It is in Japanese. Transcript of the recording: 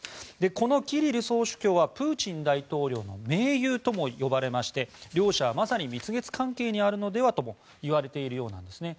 このキリル総主教はプーチン大統領の盟友とも呼ばれまして両者はまさに蜜月関係にあるのではともいわれているようなんですね。